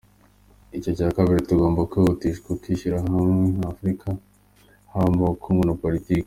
Icya kabiri, tugomba kwihutisha ukwishyira hamwe nka Afurika, haba mu bukungu na politiki.